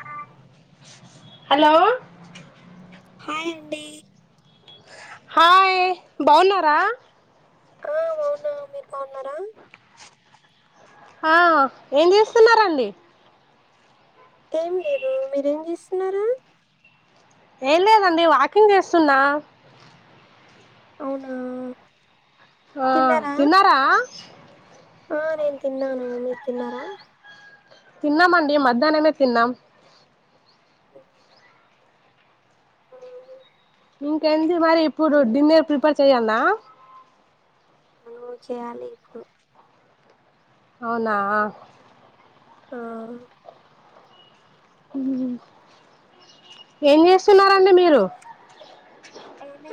ఆ hello hi అండి hi బాగున్నారా? ఆ అవునా మీరు బావున్నారు ఆ ఏం చేస్తున్నారండి ఏం లేదు మీరేం చేస్తున్నారా ఏం లేదండి వాకింగ్ చేస్తున్నా అవునా ఆ తిన్నారా ఆ నేను తిన్నాను మీరు తిన్నారా తిన్నామ అండి మధ్యాననే తిన్నాం ఆ, ఇంకేంది మరి ఇప్పుడు డిన్నర్ ప్రిపేర్ చెయ్యన్న మనం చేయాలి ఇప్పుడు అవునా ఆ ఏంస్త ఏమి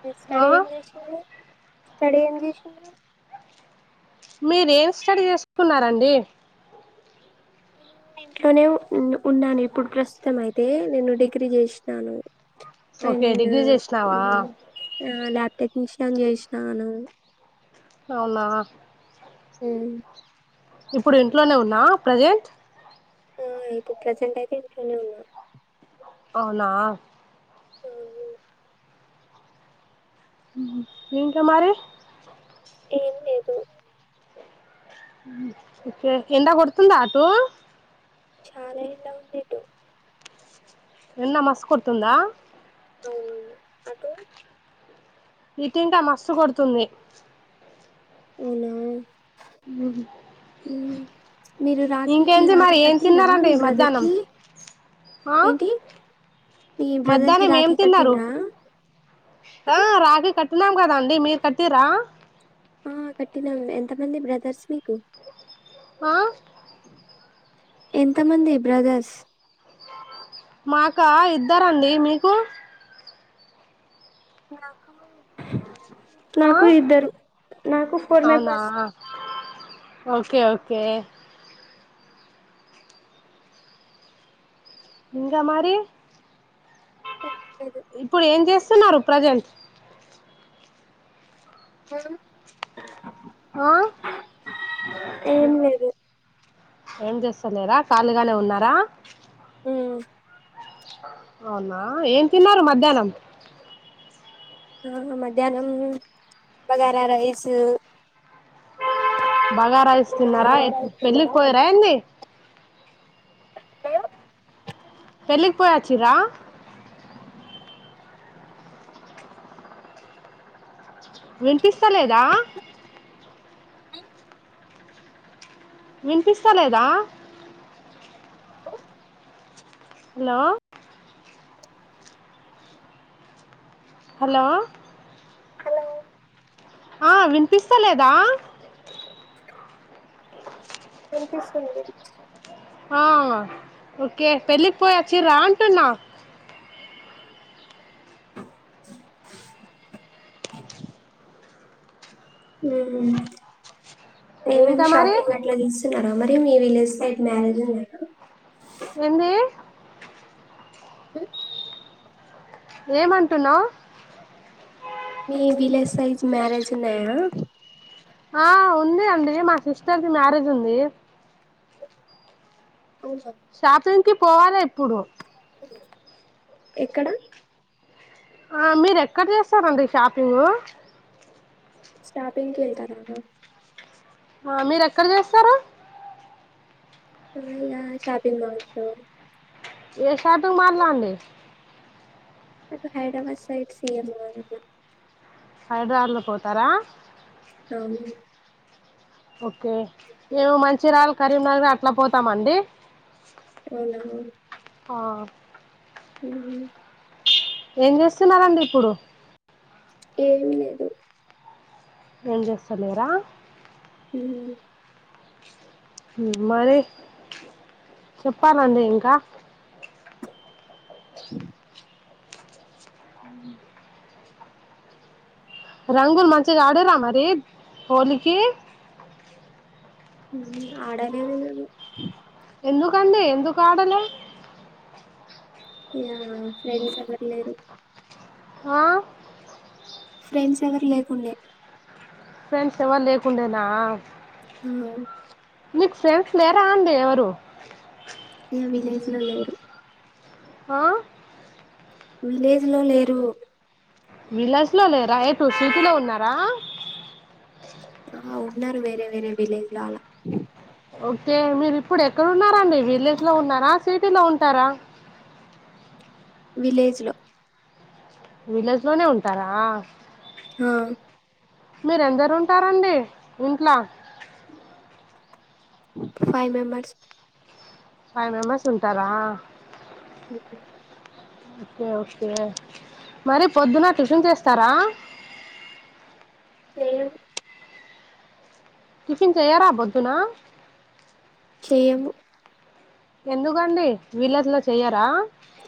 మీ ఆ స్టడీ ఏం చేస్ర స్టడీ ఏం చేస్ర మీర ఏం స్టడీ చేసుకున్నారంండి నేను ఇంట్లోనే ఉన్నాను ఇప్పుడు ప్రస్తుతం అయితే నేను డిగ్రీ చేసినాను ఓకే అండ్ డిగ్రీ చేసినావా టెక్నీషిన్ చేసినను అవునా అ ఇప్పుడు ఇంట్లోనే ఉన్నా ప్రజెంట్ ఆ ఇప్పు ప్రెజెంట్ అయితే ఇంట్లోనే ఉన్నా అవునా అవును ఏంకా మారే ఏం లేదు కే ఎంతా కొడుతుందా ఆటూ చాలా ఎలా ఉందిటు ఎన్న మస్ కొడుతుందా అవును అటు ఇీటింక మస్తు కొడుతుంది అవునా హు మ్మ్. మీరు రాఖీకి రాఖీ కట్టిండ్రా మీ బ్రదర్ మధ్యాహ్నం కి ఆ ఏంటి మీ బ్రదర్ కి మధ్యాహ్నం ఏం రాఖీ తిన్నారు కట్టిన్రా ఆ రాకి కట్టినాం కదాండి మీరు కట్టిర్రా ఆ కట్టినాం ఎంతమంది బ్రదర్స్ మీకు ఆ ఎంత మంది బ్రదర్స్ మాకా ఇద్దరండి మీకు నాకు ఆ నాకు ఇద్దరు నాకు ఫోర్ అవునా మెంబర్స్ ఓకే ఓకే ఇంగ మరి ఏం లేదు ఇప్పుడు ఏం చేస్ స్తున్నారు ప్రెజెంట్ హ ఆ ఏం లేదు ఏం చేస్తలేరా ఖాళీగానే ఉన్నారా హు అవునా ఎం తిన్నారు మధ్యాహ్ననం ఆ మధ్యాహ్నం బగారా రైస్ బగార రైస్ తిన్నారా పెళ్ళికి ఇంకా పోయరాా ఏంది ఆ పెళ్ళికి పోయచ్చిర్రా వినిపిస్తా లేదా అ వినిపిస్తా లేదా హలో హలో హలో ఆ వినిపిస్తలేదా వినిపిస్తుంది వినిపి ఆ ఓకే పెళ్ళికి పోయోచ్చిర్రా అంటున్నా హుం ఇంకా నేమేమి మరి షాపింగ్ అట్లా తీస్ న్నారా మరి మీ విలేజ్ సైట్ మ్యారేజ్ ఉంది ఏంది ఏమంటున్నావ్ మీ విలేజ్ సైజ్ మ్యారేజున్నాయా ఆ ఉంది అండి మా సిస్టర్ ది మ్యారేజ్ ఉంది షాపంగ్కి పోవాలే ఇప్పుడు ఎక్కడ ఆ మీరు ఎక్కడ చేస్తారండి షాపింగ్ షాపింగ్ కేళ్తారాగా ఆ మీర ఎక్కడ చేస్తారు ఇగ షాపిింగ్ మాల్స్ లో ఏ షాపింగ్ మాల్లో అండి అటు హైదరాబాద్ సైడ్ సిీఎంఆర్ ల హైదరాబాద్ లో పోతారా అవును ఓకే మేము మంచిరాళ్ కరీంనగర్ అట్ల పోతామండి అవున ఆ మ్ ఏం చేస్తున్నారంండి ఇప్పుడు ఏం లేదు ఏం చేస్తలేరా ఉ ఉమ్ మరి చెప్పాలండి ఇంకా రంగులు మంచిగ ఆడేరా మరి హోలీకి మ్ ఆడలేదు మేము ఎందుకండి ఎందుకాడ లె య ఫ్రెండ్స్ ఎవర్ లేరు ఆ ఫ్రెండ్స్ ఎవరు లేకుండే ఫ్రెండ్స్ ఎవర్ లేకుండేనా హ మీకు ఫ్రెండ్స్ లేేరా అండి ఎవరు య విలేజ్ లో లేరు హ విలేజ్లో లేరు విలేజ్లో లేరా ఎటు సీటీలో ఉన్నారా ఆ ఉన్నారు వేరె వేరె విలేజ్ లో అలా ఓకే మీరు ఇప్పుడు ఎక్కడ ఉన్నారాండి విలేజ్లో ఉన్నారా సిటీలో ఉంటార విలేజ్ లో విలేజ్లోనే ఉంటార హా మీరెందరు ఉంటారంండి ఇంట్ల ఫైవ్ మెంబర్స్ ఫైవ్ మెంబర్స్ ఉంటరా ఒకె కే ఒకే మరి పొద్దున్న టిఫిన్ చేస్తరా సేమ్ టిఫిన్ చెయ్యర పొద్దునా చేయ్యము ఎందుకండి విలేజ్ లో చెయ్యరా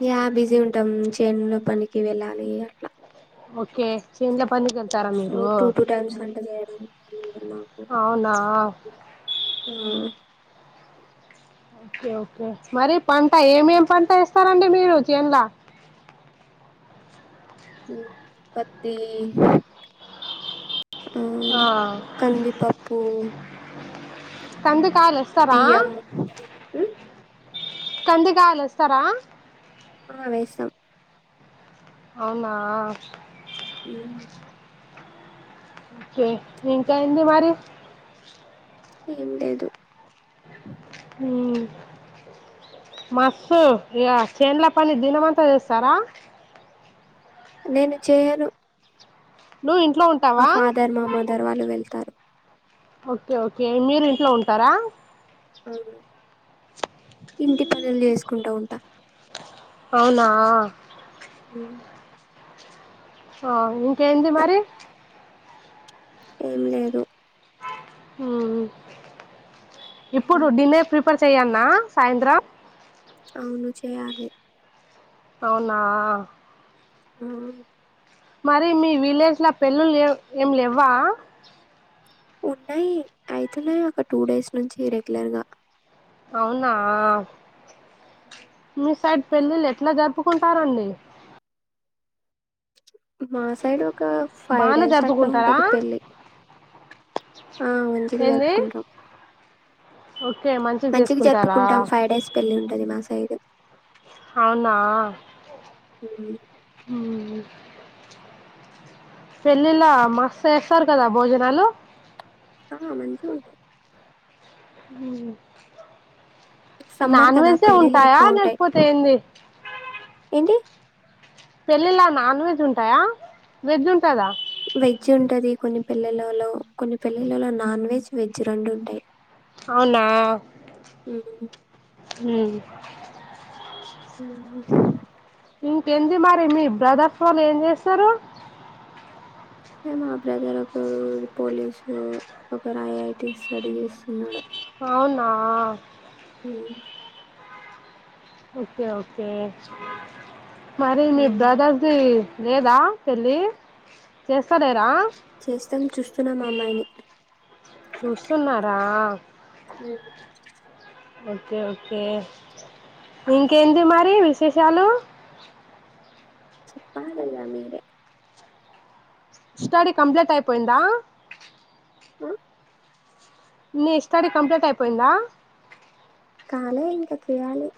యా బిజీ ఉంటాం చైన్ లో పనికి వెళ్ళాలి ఇగ అట్ల ఓకే చేన్ల పనికెళ్తార సో మీరు టూ టూ టైమ్స్ వంట చేయడానికి టైం ఉండదు మాకు అవునా ఆ ఓకె ఓకె మరి పంట ఏమేమ్ పంట వ్స్తారంండి మీరు చేన్ల పత్తి ఆ కందిపప్పుూ కంది కాయలు ఎస్తరా బియ్యం ఉమ్, కంది కాయల్ ఎస్తరా ఆ వేస్తాం అవునా ఉ కే ఇంక ఎంది మరి ఏం లేదు మసు ఇగ చేన్ల పని దీనంమంతా చేస్తారా నేను చేయను నువ్వు ఇంట్ మా ఫాదర్ మా మదర్ వాళ్ళు వెళ్తారు ఓకే ఓకే మీరు ఇంట్లో ఉంటారా అవును ఇంటి పనులు చేసుకుంటా ఉంటా అవునా అ ఆ ఇంకేంటి మరి ఏం లేదు హ్మ్ ఇప్పుడు హ్మ్ డినర్ ప్రి ఫర్ చెయన్న సాయంత్రం అవును చేయాలి అవునా ఆ మరి మీ విలేజ్ లో పెళ్లిలు ఏమి లేవా ఉన్నాయి అయితున్నాయి ఒక టూ డేస్ నుంచి రెగ్యులర్గా అవునా మీ సైడ్ పెళ్ళిళ్ళు ఎట్లా జరుపుకుంటారండి మా సైడ్ ఒక ఫైవ్ బానే డేస్ అట్లా జరుపుకుంటారా ఉంటది పెళ్ళి ఆ మంచిగా జరుపుకుంటాం ఓక్ మంచిగా జరుపుకుంటాం ఫైవ్ డేస్ పెళ్లి ఉంటది మా సైడ్ అవునా హ్మ్ హ్మ్ పెళ్ళిళ మస్తు చేస్తారు కదా భోజనాలు ఆ మంచి ఉంటాయ్ సమ్మర్ నాన్ కదా వెజే ఎ పెళ్ళిళ్ళే ఉంటాయా ఎక్కువ ఉంటాయి లేకపోతే ఏంది ఏంటి పెళ్ళిళ నాన్ వెజ్ ఉంటాయా వెజ్ ఉంటదా వెజ్ ఉంటది కొన్ని పెళ్లిళలో కొన్ని పెళ్లిళలో నాన్ వెజ్ వెజ్ రెండు ఉంటాయి అవునా హ్మ్ హ్మ్ అ ఇంకెంది మరి మీ బ్రదర్స్ వాళ్ళు ఏం చేస్తారు మా బ్రదర్ ఒకరు పోలీసు ఒకరు ఐఐటి స్టడీ చేస్తున్నాడు అవునా హ్మ్ ఓకే ఓకే మరి మీ హ్మ్ బ్రదర్ ది లేదా పెళ్ళి చేస్తాలేరా చేస్తాం చూస్తున్నాం అమ్మాయిని చూస్తున్నారా [inaudible] ఓకే ఓకే ఇంకేంది మరి విశేషాలు చెప్పాలి ఇగ మీరే స్టడీ కంప్లీట్ అయిపోయిందా ఆ నీ స్టడీ కంప్లీట్ అయిపోయిందా కాలే ఇంకా చెయాలి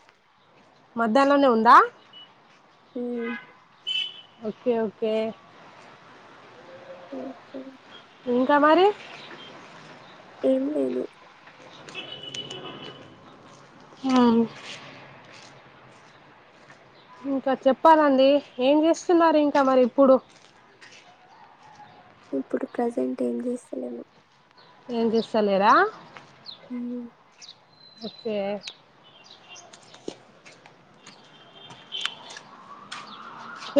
మధ్యాల్లోనె ఉందా. ఊ ఒకె ఒకే ఓకే ఇంక మరి ఏం లేదు. ఆవును. ఇంక చెప్పాలండీ. ఏం చేస్తున్నారు ఇంకా మరి ఇప్పుడు. ఇప్పుడు ప్రసెన్ట్ ఏం చేస్తలేను. ఏం చెస్తలేరా. [unintelligible] ఒకే.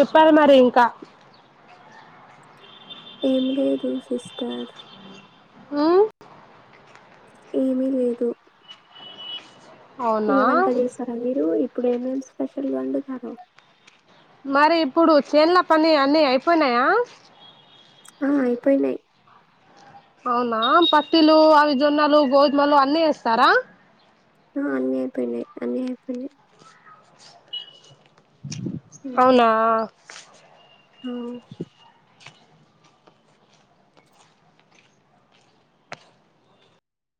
ఇప్పాలి మరి ఇంకా ఏం లేదు సిస్టార్. మ్మ్ ఏమి లేదు. ఇగ అవునా వంట చేస్తార మీరూ ఇప్పుడు ఏమేం స్పెషల్ వండుతారు. మరి ఇప్పుడు చేన్ల పని అన్ని అయిపొయినయా. ఆ అయిపోయినయి. అవునా పత్తిలు అవి జొన్నలు గోధుమలు అన్నీ యేస్తారా. ఆ అన్నీ అయిపోయినాయి అన్నీ అయిపోయినాయి. అవునా. అ